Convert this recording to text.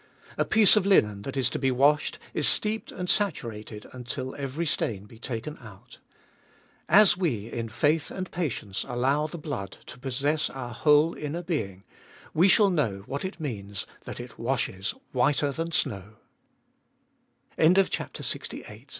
A piece of linen that is to be washed is steeped and saturated until every stain be taken out. As we in faith and patience allow the blood to possess our whole inner being, we shall know what it means that it washes whiter th